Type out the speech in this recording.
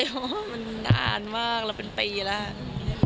เพราะว่ามันนานมากแล้วเป็นปีแล้ว